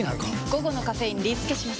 午後のカフェインリスケします！